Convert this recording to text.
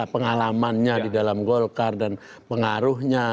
pengalamannya di dalam golkar dan pengaruhnya